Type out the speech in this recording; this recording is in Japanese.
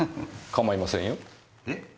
構いませんよ。